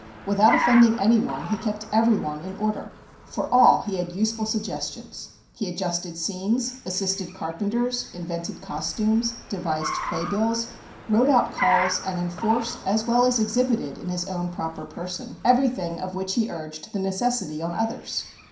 Without offending any one, he kept every one in order. For all he had useful suggestions.... He adjusted scenes, assisted carpenters, invented costumes, devised playbills, wrote out calls, and enforced, as well as exhibited in his own proper person, everything of which he urged the necessity on others."